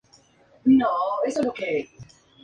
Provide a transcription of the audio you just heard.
Ha trabajado con frecuencia en largometrajes internacionales.